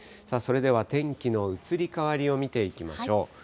それでは天気の移り変わりを見ていきましょう。